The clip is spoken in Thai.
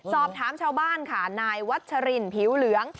สอบถามชาวบ้านค่ะนายวัชรินผิวเหลือง